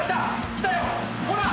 きたよほら！